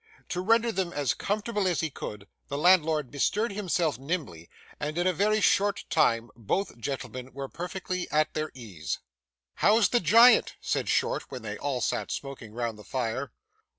To render them as comfortable as he could, the landlord bestirred himself nimbly, and in a very short time both gentlemen were perfectly at their ease. 'How's the Giant?' said Short, when they all sat smoking round the fire.